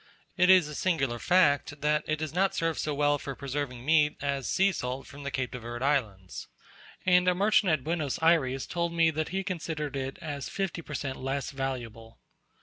It is a singular fact, that it does not serve so well for preserving meat as sea salt from the Cape de Verd islands; and a merchant at Buenos Ayres told me that he considered it as fifty per cent. less valuable.